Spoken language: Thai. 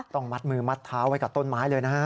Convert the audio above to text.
ต้องมัดมือมัดเท้าไว้กับต้นไม้เลยนะฮะ